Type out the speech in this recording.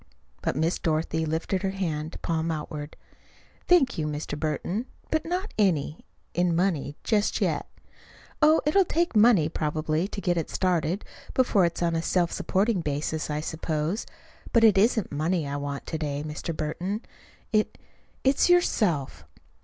But Miss Dorothy lifted her hand, palm outward. "Thank you, Mr. Burton; but not any in money, just yet. Oh, it'll take money, probably, to get it started, before it's on a self supporting basis, I suppose. But it isn't money I want to day, Mr. Burton. It it's yourself."